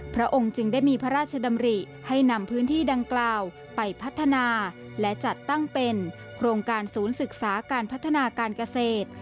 พระองค์จึงได้มีพระราชดำริให้นำพื้นที่ดังกล่าวไปพัฒนาและจัดตั้งเป็นโครงการศูนย์ศึกษาการพัฒนาการเกษตร